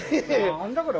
何だこれ。